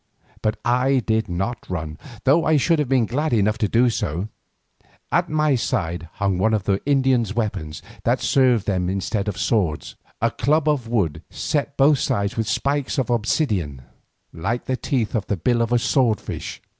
But I did not run, though I should have been glad enough to do so. At my side hung one of the Indian weapons that serve them instead of swords, a club of wood set on both sides with spikes of obsidian, like the teeth in the bill of a swordfish.